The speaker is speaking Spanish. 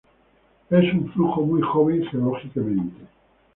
Es un flujo muy joven geológicamente.